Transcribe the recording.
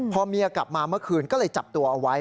พอเมียกลับมาเมื่อคืนก็เลยจับตัวเอาไว้